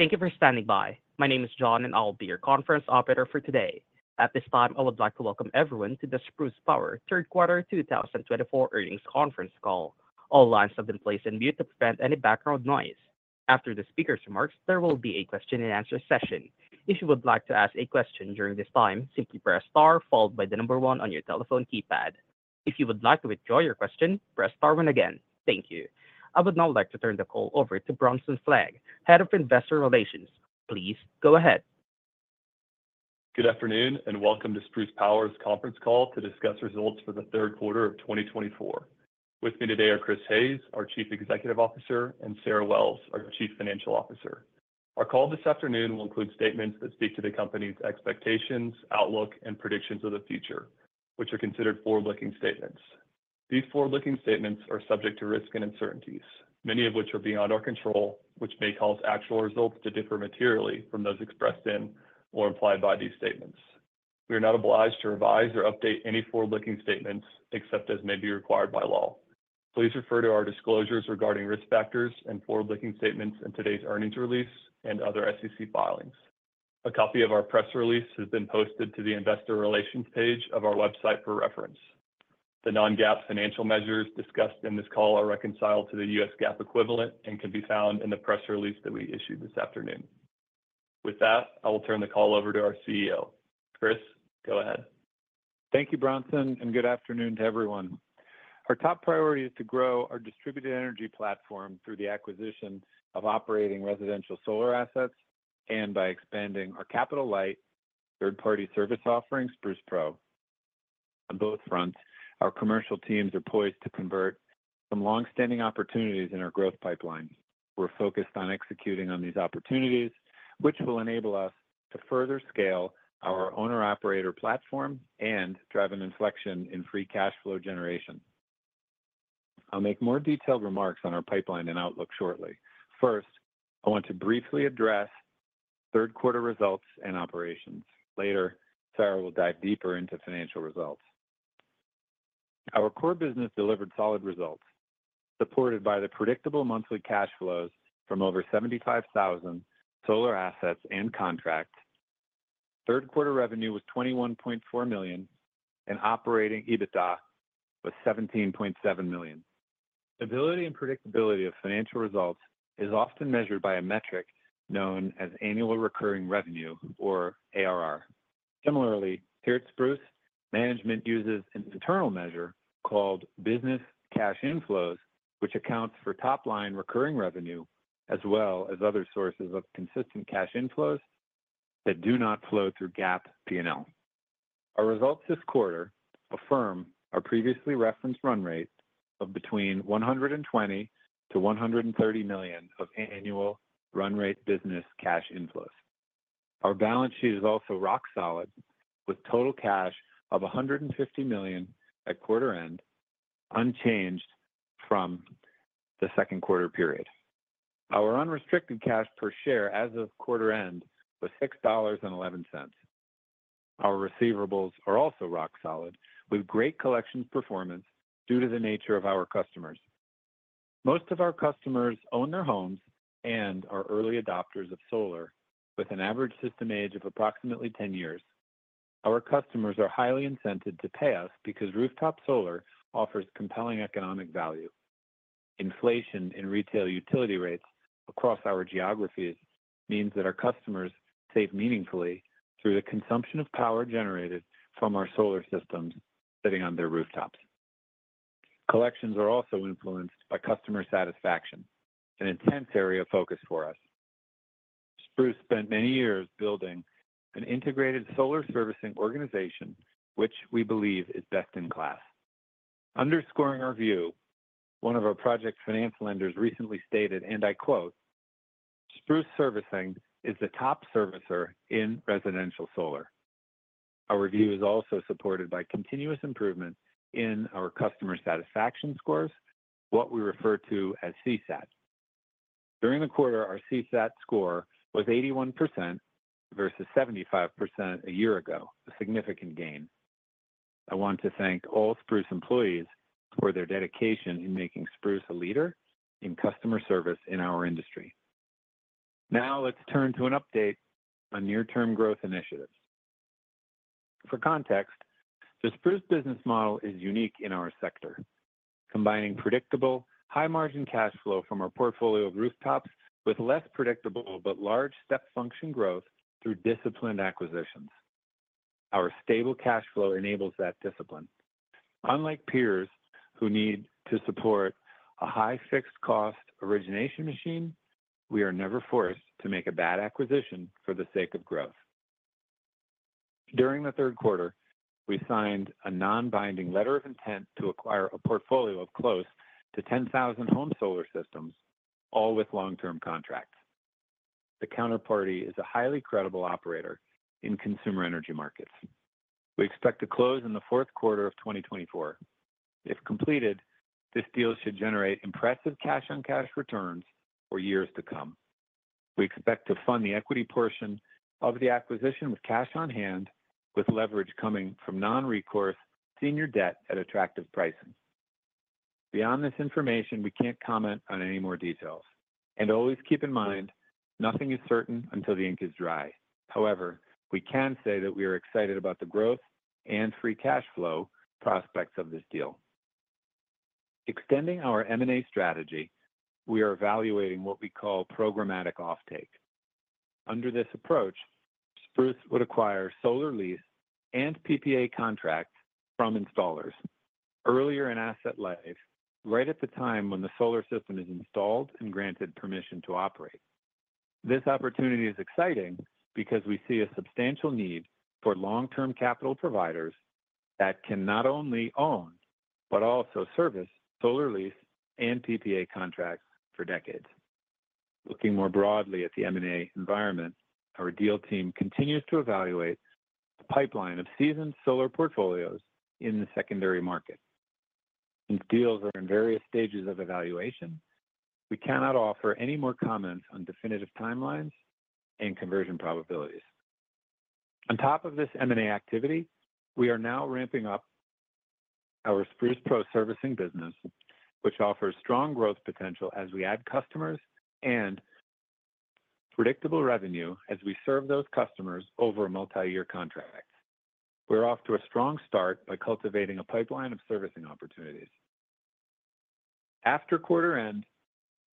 Thank you for standing by. My name is John, and I'll be your conference operator for today. At this time, I would like to welcome everyone to the Spruce Power Third Quarter 2024 Earnings Conference Call. All lines have been placed on mute to prevent any background noise. After the speaker's remarks, there will be a question-and-answer session. If you would like to ask a question during this time, simply press star followed by the number one on your telephone keypad. If you would like to withdraw your question, press star one again. Thank you. I would now like to turn the call over to Bronson Fleig, Head of Investor Relations. Please go ahead. Good afternoon, and welcome to Spruce Power's conference call to discuss results for the third quarter of 2024. With me today are Chris Hayes, our Chief Executive Officer, and Sarah Wells, our Chief Financial Officer. Our call this afternoon will include statements that speak to the company's expectations, outlook, and predictions of the future, which are considered forward-looking statements. These forward-looking statements are subject to risk and uncertainties, many of which are beyond our control, which may cause actual results to differ materially from those expressed in or implied by these statements. We are not obliged to revise or update any forward-looking statements except as may be required by law. Please refer to our disclosures regarding risk factors and forward-looking statements in today's earnings release and other SEC filings. A copy of our press release has been posted to the Investor Relations page of our website for reference. The non-GAAP financial measures discussed in this call are reconciled to the U.S. GAAP equivalent and can be found in the press release that we issued this afternoon. With that, I will turn the call over to our CEO. Chris, go ahead. Thank you, Bronson, and good afternoon to everyone. Our top priority is to grow our distributed energy platform through the acquisition of operating residential solar assets and by expanding our capital light third-party service offering, Spruce Pro. On both fronts, our commercial teams are poised to convert some long-standing opportunities in our growth pipeline. We're focused on executing on these opportunities, which will enable us to further scale our owner-operator platform and drive an inflection in free cash flow generation. I'll make more detailed remarks on our pipeline and outlook shortly. First, I want to briefly address third-quarter results and operations. Later, Sarah will dive deeper into financial results. Our core business delivered solid results, supported by the predictable monthly cash flows from over 75,000 solar assets and contracts. Third-quarter revenue was $21.4 million, and operating EBITDA was $17.7 million. Stability and predictability of financial results is often measured by a metric known as annual recurring revenue, or ARR. Similarly, here at Spruce, management uses an internal measure called business cash inflows, which accounts for top-line recurring revenue as well as other sources of consistent cash inflows that do not flow through GAAP P&L. Our results this quarter affirm our previously referenced run rate of between $120 million-$130 million of annual run rate business cash inflows. Our balance sheet is also rock solid, with total cash of $150 million at quarter end, unchanged from the second quarter period. Our unrestricted cash per share as of quarter end was $6.11. Our receivables are also rock solid, with great collections performance due to the nature of our customers. Most of our customers own their homes and are early adopters of solar, with an average system age of approximately 10 years. Our customers are highly incented to pay us because rooftop solar offers compelling economic value. Inflation in retail utility rates across our geographies means that our customers save meaningfully through the consumption of power generated from our solar systems sitting on their rooftops. Collections are also influenced by customer satisfaction, an intense area of focus for us. Spruce spent many years building an integrated solar servicing organization, which we believe is best in class. Underscoring our view, one of our project finance lenders recently stated, and I quote, "Spruce Servicing is the top servicer in residential solar." Our review is also supported by continuous improvement in our customer satisfaction scores, what we refer to as CSAT. During the quarter, our CSAT score was 81% versus 75% a year ago, a significant gain. I want to thank all Spruce employees for their dedication in making Spruce a leader in customer service in our industry. Now let's turn to an update on near-term growth initiatives. For context, the Spruce business model is unique in our sector, combining predictable high-margin cash flow from our portfolio of rooftops with less predictable but large step function growth through disciplined acquisitions. Our stable cash flow enables that discipline. Unlike peers who need to support a high fixed cost origination machine, we are never forced to make a bad acquisition for the sake of growth. During the third quarter, we signed a non-binding letter of intent to acquire a portfolio of close to 10,000 home solar systems, all with long-term contracts. The counterparty is a highly credible operator in consumer energy markets. We expect to close in the fourth quarter of 2024. If completed, this deal should generate impressive cash-on-cash returns for years to come. We expect to fund the equity portion of the acquisition with cash on hand, with leverage coming from non-recourse senior debt at attractive pricing. Beyond this information, we can't comment on any more details, and always keep in mind, nothing is certain until the ink is dry. However, we can say that we are excited about the growth and free cash flow prospects of this deal. Extending our M&A strategy, we are evaluating what we call programmatic offtake. Under this approach, Spruce would acquire solar lease and PPA contracts from installers earlier in asset life, right at the time when the solar system is installed and granted permission to operate. This opportunity is exciting because we see a substantial need for long-term capital providers that can not only own but also service solar lease and PPA contracts for decades. Looking more broadly at the M&A environment, our deal team continues to evaluate the pipeline of seasoned solar portfolios in the secondary market. Since deals are in various stages of evaluation, we cannot offer any more comments on definitive timelines and conversion probabilities. On top of this M&A activity, we are now ramping up our Spruce Pro servicing business, which offers strong growth potential as we add customers and predictable revenue as we serve those customers over a multi-year contract. We're off to a strong start by cultivating a pipeline of servicing opportunities. After quarter end,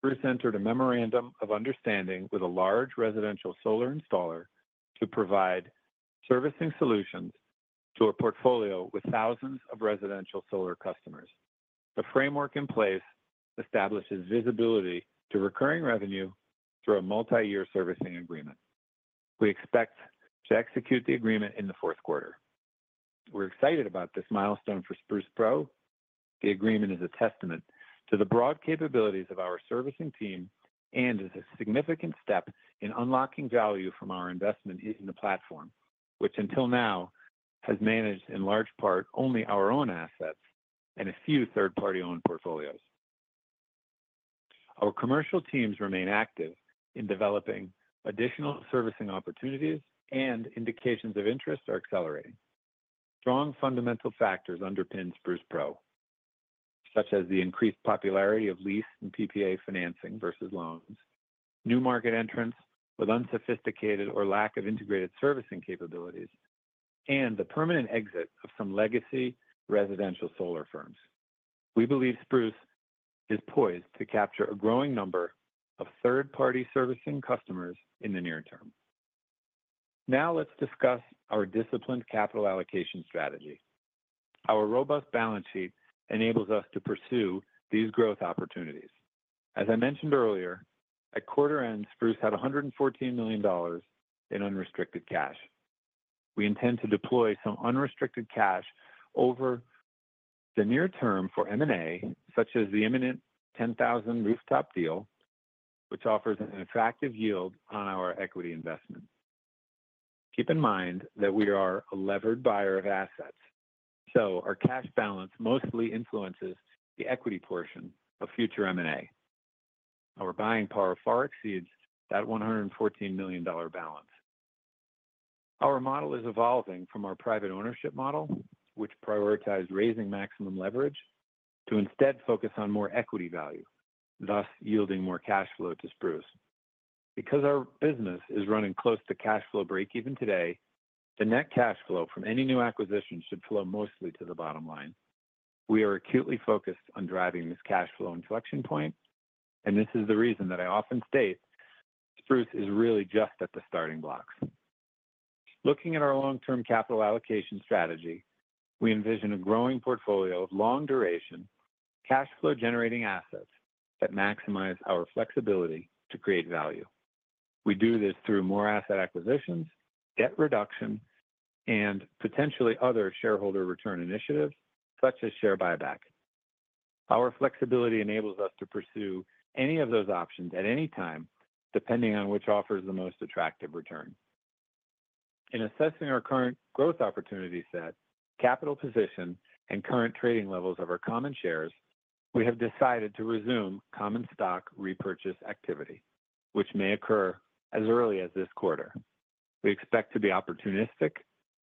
Spruce entered a memorandum of understanding with a large residential solar installer to provide servicing solutions to a portfolio with thousands of residential solar customers. The framework in place establishes visibility to recurring revenue through a multi-year servicing agreement. We expect to execute the agreement in the fourth quarter. We're excited about this milestone for Spruce Pro. The agreement is a testament to the broad capabilities of our servicing team and is a significant step in unlocking value from our investment in the platform, which until now has managed in large part only our own assets and a few third-party-owned portfolios. Our commercial teams remain active in developing additional servicing opportunities, and indications of interest are accelerating. Strong fundamental factors underpin Spruce Pro, such as the increased popularity of lease and PPA financing versus loans, new market entrants with unsophisticated or lack of integrated servicing capabilities, and the permanent exit of some legacy residential solar firms. We believe Spruce is poised to capture a growing number of third-party servicing customers in the near term. Now let's discuss our disciplined capital allocation strategy. Our robust balance sheet enables us to pursue these growth opportunities. As I mentioned earlier, at quarter end, Spruce had $114 million in unrestricted cash. We intend to deploy some unrestricted cash over the near term for M&A, such as the imminent 10,000 rooftop deal, which offers an attractive yield on our equity investment. Keep in mind that we are a levered buyer of assets, so our cash balance mostly influences the equity portion of future M&A. Our model is evolving from our private ownership model, which prioritized raising maximum leverage, to instead focus on more equity value, thus yielding more cash flow to Spruce. Because our business is running close to cash flow break-even today, the net cash flow from any new acquisition should flow mostly to the bottom line. We are acutely focused on driving this cash flow inflection point, and this is the reason that I often state Spruce is really just at the starting blocks. Looking at our long-term capital allocation strategy, we envision a growing portfolio of long-duration, cash flow-generating assets that maximize our flexibility to create value. We do this through more asset acquisitions, debt reduction, and potentially other shareholder return initiatives such as share buyback. Our flexibility enables us to pursue any of those options at any time, depending on which offers the most attractive return. In assessing our current growth opportunity set, capital position, and current trading levels of our common shares, we have decided to resume common stock repurchase activity, which may occur as early as this quarter. We expect to be opportunistic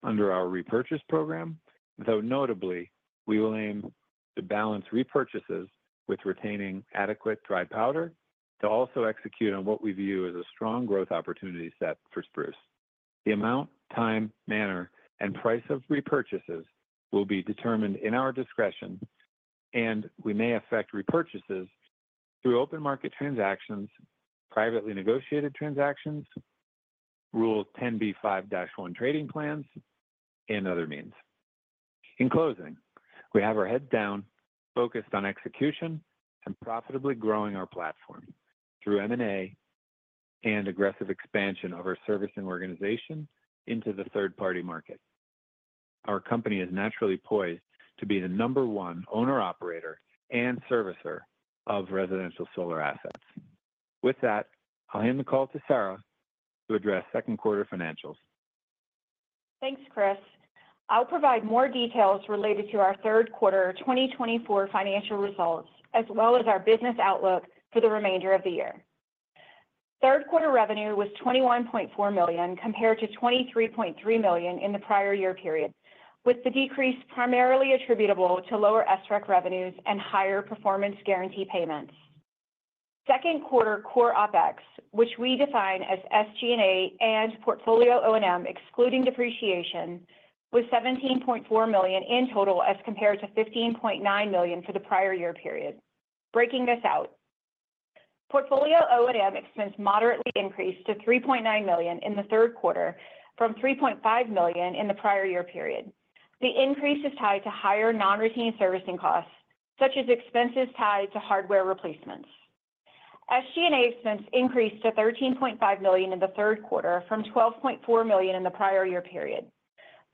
under our repurchase program, though notably, we will aim to balance repurchases with retaining adequate dry powder to also execute on what we view as a strong growth opportunity set for Spruce. The amount, time, manner, and price of repurchases will be determined in our discretion, and we may effect repurchases through open market transactions, privately negotiated transactions, Rule 10b5-1 trading plans, and other means. In closing, we have our heads down, focused on execution and profitably growing our platform through M&A and aggressive expansion of our servicing organization into the third-party market. Our company is naturally poised to be the number one owner-operator and servicer of residential solar assets. With that, I'll hand the call to Sarah to address second quarter financials. Thanks, Chris. I'll provide more details related to our third quarter 2024 financial results, as well as our business outlook for the remainder of the year. Third quarter revenue was $21.4 million compared to $23.3 million in the prior year period, with the decrease primarily attributable to lower SREC revenues and higher performance guarantee payments. Second quarter core OpEx, which we define as SG&A and portfolio O&M excluding depreciation, was $17.4 million in total as compared to $15.9 million for the prior year period. Breaking this out, portfolio O&M expense moderately increased to $3.9 million in the third quarter from $3.5 million in the prior year period. The increase is tied to higher non-routine servicing costs, such as expenses tied to hardware replacements. SG&A expense increased to $13.5 million in the third quarter from $12.4 million in the prior year period.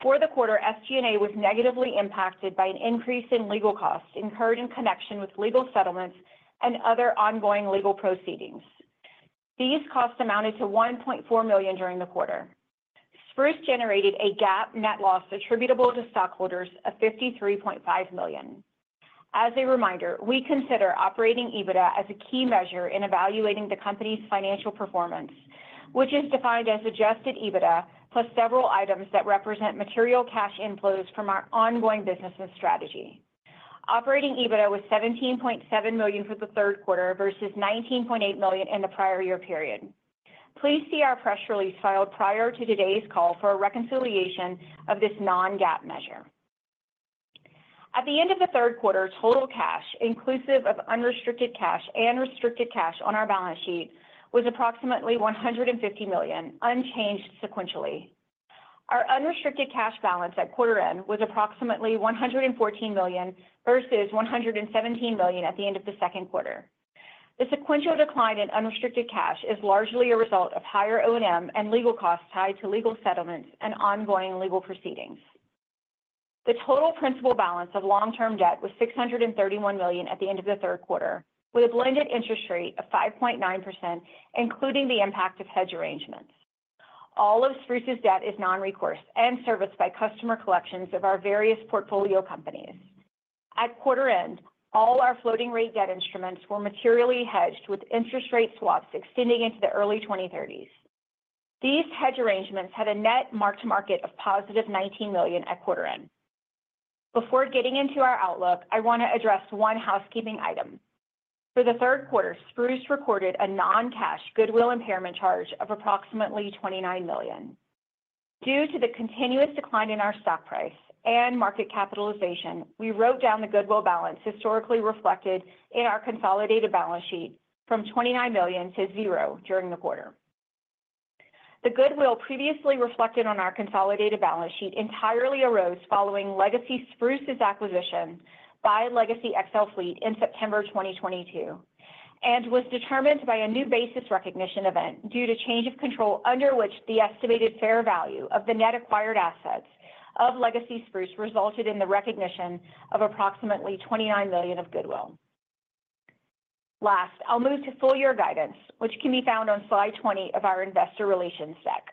For the quarter, SG&A was negatively impacted by an increase in legal costs incurred in connection with legal settlements and other ongoing legal proceedings. These costs amounted to $1.4 million during the quarter. Spruce generated a GAAP net loss attributable to stockholders of $53.5 million. As a reminder, we consider operating EBITDA as a key measure in evaluating the company's financial performance, which is defined as adjusted EBITDA plus several items that represent material cash inflows from our ongoing business and strategy. Operating EBITDA was $17.7 million for the third quarter versus $19.8 million in the prior year period. Please see our press release filed prior to today's call for a reconciliation of this non-GAAP measure. At the end of the third quarter, total cash, inclusive of unrestricted cash and restricted cash on our balance sheet, was approximately $150 million, unchanged sequentially. Our unrestricted cash balance at quarter end was approximately $114 million versus $117 million at the end of the second quarter. The sequential decline in unrestricted cash is largely a result of higher O&M and legal costs tied to legal settlements and ongoing legal proceedings. The total principal balance of long-term debt was $631 million at the end of the third quarter, with a blended interest rate of 5.9%, including the impact of hedge arrangements. All of Spruce's debt is non-recourse and serviced by customer collections of our various portfolio companies. At quarter end, all our floating-rate debt instruments were materially hedged with interest rate swaps extending into the early 2030s. These hedge arrangements had a net mark-to-market of positive $19 million at quarter end. Before getting into our outlook, I want to address one housekeeping item. For the third quarter, Spruce recorded a non-cash goodwill impairment charge of approximately $29 million. Due to the continuous decline in our stock price and market capitalization, we wrote down the goodwill balance historically reflected in our consolidated balance sheet from $29 million to zero during the quarter. The goodwill previously reflected on our consolidated balance sheet entirely arose following Legacy Spruce's acquisition by Legacy XL Fleet in September 2022 and was determined by a new basis recognition event due to change of control under which the estimated fair value of the net acquired assets of Legacy Spruce resulted in the recognition of approximately $29 million of goodwill. Last, I'll move to full year guidance, which can be found on slide 20 of our investor relations deck.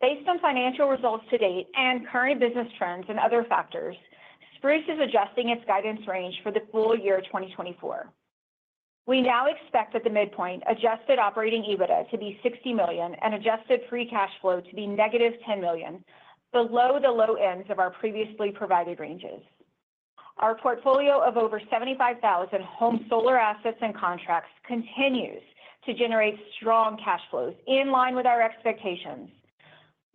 Based on financial results to date and current business trends and other factors, Spruce is adjusting its guidance range for the full year 2024. We now expect at the midpoint, adjusted operating EBITDA to be $60 million and adjusted free cash flow to be negative $10 million, below the low ends of our previously provided ranges. Our portfolio of over 75,000 home solar assets and contracts continues to generate strong cash flows in line with our expectations,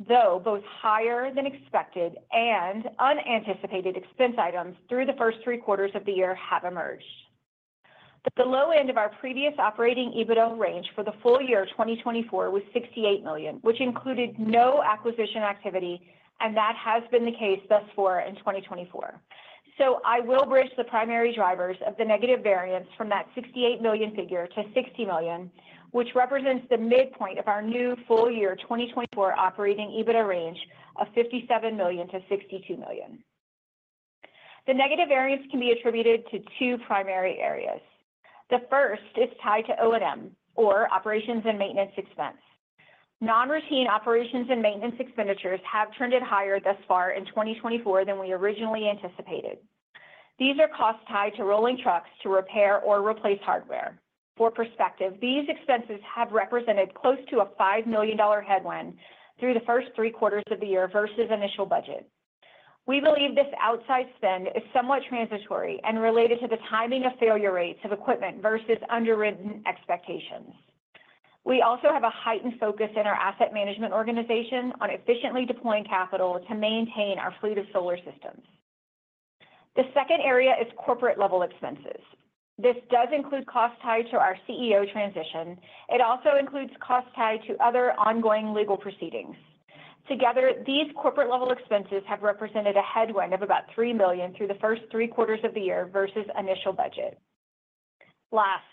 though both higher than expected and unanticipated expense items through the first three quarters of the year have emerged. The low end of our previous operating EBITDA range for the full year 2024 was $68 million, which included no acquisition activity, and that has been the case thus far in 2024. I will bridge the primary drivers of the negative variance from that $68 million figure to $60 million, which represents the midpoint of our new full year 2024 Operating EBITDA range of $57 million-$62 million. The negative variance can be attributed to two primary areas. The first is tied to O&M or operations and maintenance expense. Non-routine operations and maintenance expenditures have trended higher thus far in 2024 than we originally anticipated. These are costs tied to rolling trucks to repair or replace hardware. For perspective, these expenses have represented close to a $5 million headwind through the first three quarters of the year versus initial budget. We believe this outside spend is somewhat transitory and related to the timing of failure rates of equipment versus underwritten expectations. We also have a heightened focus in our asset management organization on efficiently deploying capital to maintain our fleet of solar systems. The second area is corporate-level expenses. This does include costs tied to our CEO transition. It also includes costs tied to other ongoing legal proceedings. Together, these corporate-level expenses have represented a headwind of about $3 million through the first three quarters of the year versus initial budget. Last,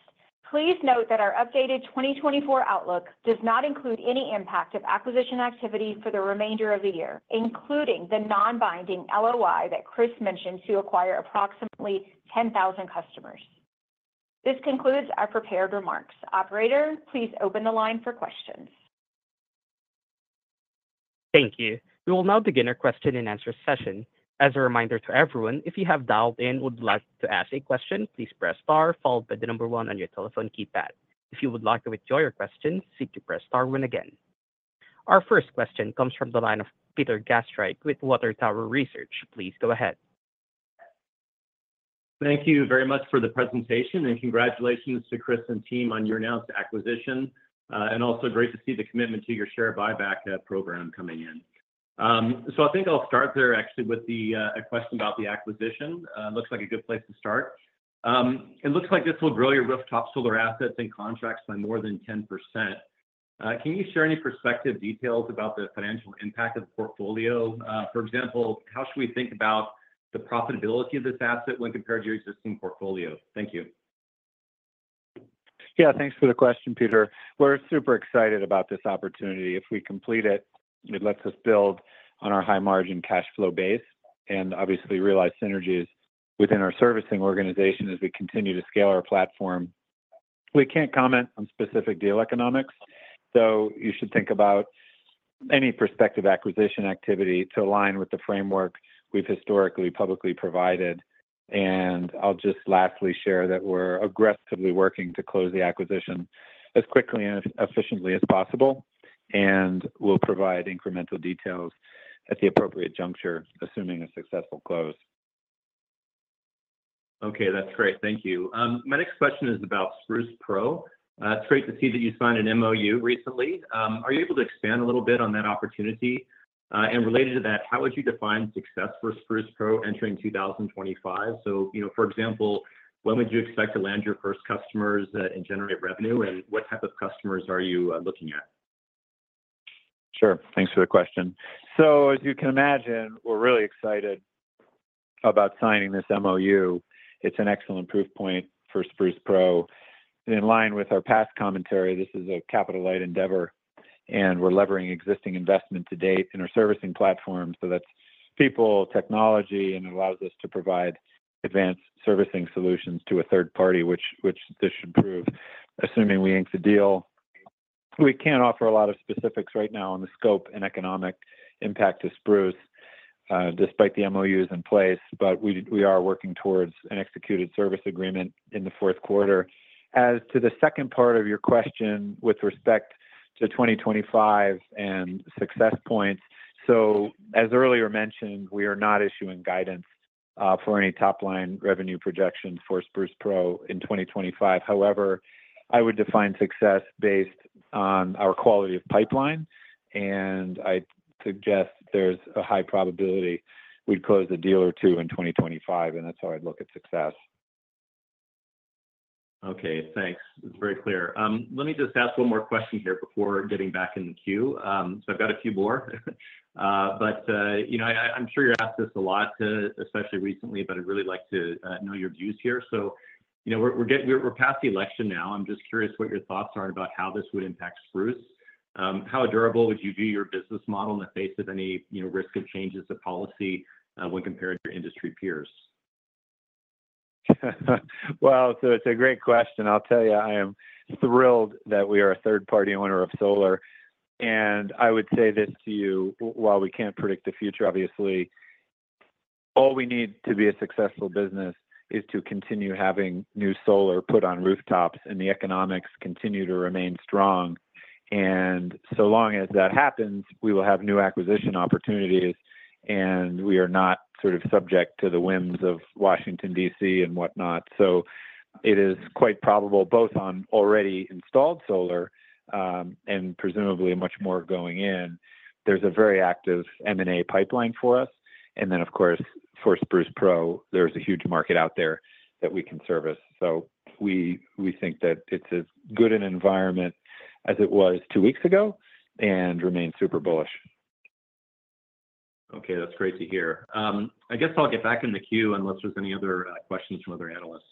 please note that our updated 2024 outlook does not include any impact of acquisition activity for the remainder of the year, including the non-binding LOI that Chris mentioned to acquire approximately 10,000 customers. This concludes our prepared remarks. Operator, please open the line for questions. Thank you. We will now begin our question and answer session. As a reminder to everyone, if you have dialed in and would like to ask a question, please press star followed by the number one on your telephone keypad. If you would like to withdraw your question, press star one again. Our first question comes from the line of Peter Gastreich with Water Tower Research. Please go ahead. Thank you very much for the presentation, and congratulations to Chris and team on your announced acquisition, and also great to see the commitment to your share buyback program coming in, so I think I'll start there actually with a question about the acquisition. Looks like a good place to start. It looks like this will grow your rooftop solar assets and contracts by more than 10%. Can you share any prospective details about the financial impact of the portfolio? For example, how should we think about the profitability of this asset when compared to your existing portfolio? Thank you. Yeah, thanks for the question, Peter. We're super excited about this opportunity. If we complete it, it lets us build on our high-margin cash flow base and obviously realize synergies within our servicing organization as we continue to scale our platform. We can't comment on specific deal economics, so you should think about any prospective acquisition activity to align with the framework we've historically publicly provided. And I'll just lastly share that we're aggressively working to close the acquisition as quickly and efficiently as possible, and we'll provide incremental details at the appropriate juncture, assuming a successful close. Okay, that's great. Thank you. My next question is about Spruce Pro. It's great to see that you signed an MOU recently. Are you able to expand a little bit on that opportunity? And related to that, how would you define success for Spruce Pro entering 2025? So, for example, when would you expect to land your first customers and generate revenue, and what type of customers are you looking at? Sure. Thanks for the question. So, as you can imagine, we're really excited about signing this MOU. It's an excellent proof point for Spruce Pro. In line with our past commentary, this is a capital-light endeavor, and we're leveraging existing investment to date in our servicing platform. So that's people, technology, and it allows us to provide advanced servicing solutions to a third party, which this should prove, assuming we ink the deal. We can't offer a lot of specifics right now on the scope and economic impact of Spruce Pro, despite the MOUs in place, but we are working towards an executed service agreement in the fourth quarter. As to the second part of your question with respect to 2025 and success points, so as earlier mentioned, we are not issuing guidance for any top-line revenue projections for Spruce Pro in 2025. However, I would define success based on our quality of pipeline, and I suggest there's a high probability we'd close a deal or two in 2025, and that's how I'd look at success. Okay, thanks. It's very clear. Let me just ask one more question here before getting back in the queue. So I've got a few more, but I'm sure you're asked this a lot, especially recently, but I'd really like to know your views here. So we're past the election now. I'm just curious what your thoughts are about how this would impact Spruce. How durable would you view your business model in the face of any risk of changes to policy when compared to industry peers? Well, so it's a great question. I'll tell you, I am thrilled that we are a third-party owner of solar. And I would say this to you, while we can't predict the future, obviously, all we need to be a successful business is to continue having new solar put on rooftops and the economics continue to remain strong. And so long as that happens, we will have new acquisition opportunities, and we are not sort of subject to the whims of Washington, D.C. and whatnot. So it is quite probable, both on already installed solar and presumably much more going in, there's a very active M&A pipeline for us. And then, of course, for Spruce Pro, there's a huge market out there that we can service. So we think that it's as good an environment as it was two weeks ago and remain super bullish. Okay, that's great to hear. I guess I'll get back in the queue unless there's any other questions from other analysts.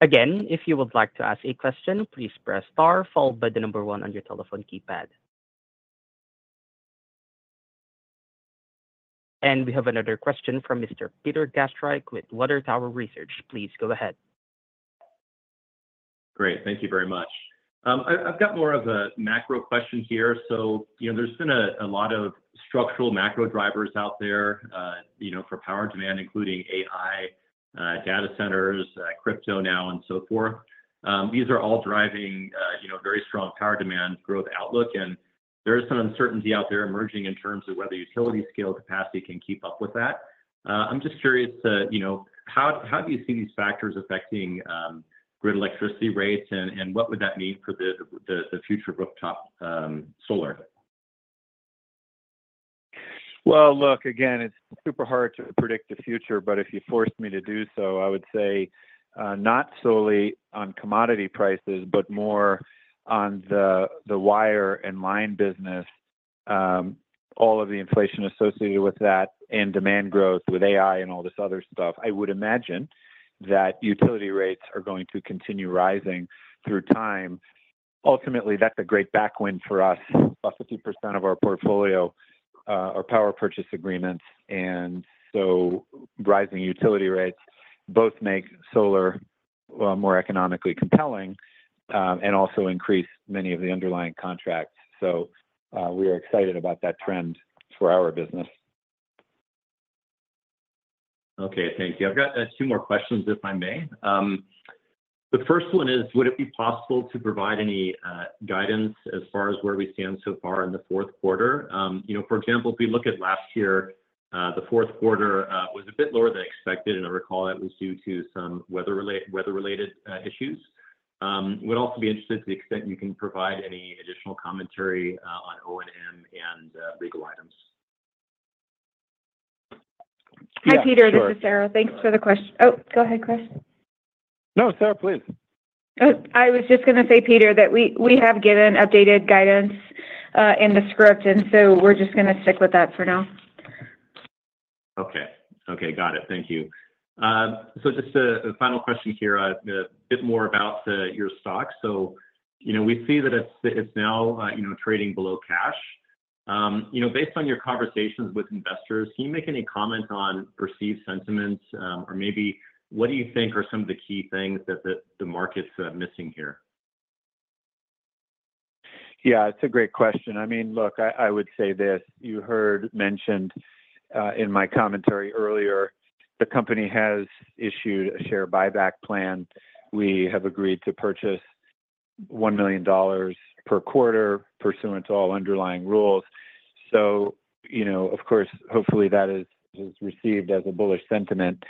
Again, if you would like to ask a question, please press star followed by the number one on your telephone keypad. And we have another question from Mr. Peter Gastreich with Water Tower Research. Please go ahead. Great. Thank you very much. I've got more of a macro question here. So there's been a lot of structural macro drivers out there for power demand, including AI, data centers, crypto now, and so forth. These are all driving a very strong power demand growth outlook, and there is some uncertainty out there emerging in terms of whether utility-scale capacity can keep up with that. I'm just curious, how do you see these factors affecting grid electricity rates, and what would that mean for the future rooftop solar? Look, again, it's super hard to predict the future, but if you forced me to do so, I would say not solely on commodity prices, but more on the wire and line business, all of the inflation associated with that and demand growth with AI and all this other stuff. I would imagine that utility rates are going to continue rising through time. Ultimately, that's a great tailwind for us. About 50% of our portfolio are power purchase agreements, and so rising utility rates both make solar more economically compelling and also increase many of the underlying contracts. We are excited about that trend for our business. Okay, thank you. I've got two more questions, if I may. The first one is, would it be possible to provide any guidance as far as where we stand so far in the fourth quarter? For example, if we look at last year, the fourth quarter was a bit lower than expected, and I recall that was due to some weather-related issues. Would also be interested to the extent you can provide any additional commentary on O&M and legal items. Hi, Peter. This is Sarah. Thanks for the question. Oh, go ahead, Chris. No, Sarah, please. I was just going to say, Peter, that we have given updated guidance in the script, and so we're just going to stick with that for now. Okay. Okay, got it. Thank you. So just a final question here, a bit more about your stocks. So we see that it's now trading below cash. Based on your conversations with investors, can you make any comment on perceived sentiments, or maybe what do you think are some of the key things that the market's missing here? Yeah, it's a great question. I mean, look, I would say this. You heard mentioned in my commentary earlier, the company has issued a share buyback plan. We have agreed to purchase $1 million per quarter pursuant to all underlying rules. So, of course, hopefully that is received as a bullish sentiment.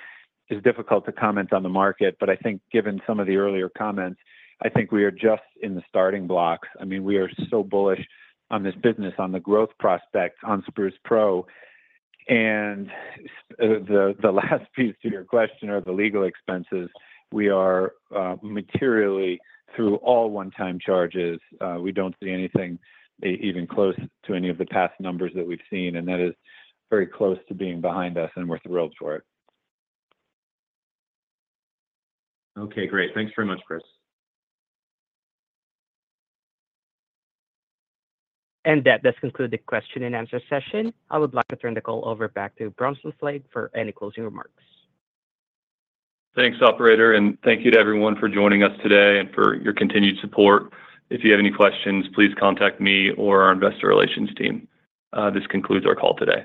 It's difficult to comment on the market, but I think given some of the earlier comments, I think we are just in the starting blocks. I mean, we are so bullish on this business, on the growth prospect on Spruce Pro, and the last piece to your question are the legal expenses. We are materially through all one-time charges. We don't see anything even close to any of the past numbers that we've seen, and that is very close to being behind us, and we're thrilled for it. Okay, great. Thanks very much, Chris. That does conclude the question and answer session. I would like to turn the call over back to Bronson Fleig for any closing remarks. Thanks, Operator, and thank you to everyone for joining us today and for your continued support. If you have any questions, please contact me or our investor relations team. This concludes our call today.